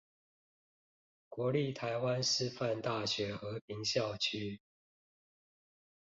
國立臺灣師範大學和平校區